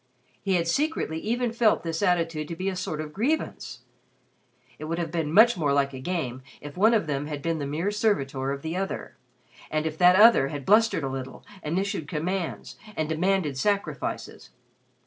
He had secretly even felt this attitude to be a sort of grievance. It would have been more like a game if one of them had been the mere servitor of the other, and if that other had blustered a little, and issued commands, and demanded sacrifices.